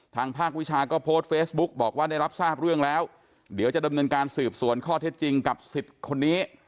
ทางภาควิชาก็โพสต์เฟซบุ๊กบอกว่าได้รับทราบเรื่องแล้วเดี๋ยวจะดำเนินการสืบสวนข้อเท็จจริงกับสิทธิ์คนนี้